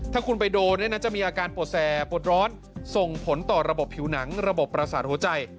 ถ้าคุณไปโดนเนี่ยนะจะมีอาการปวดแสบปวดร้อนส่งผลต่อระบบผิวหนังระบบประสาทหัวใจ